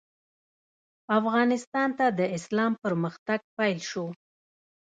افغانستان ته د اسلام پرمختګ پیل شو.